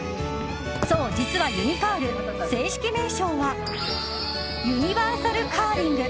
そう、実はユニカール正式名称はユニバーサル・カーリング。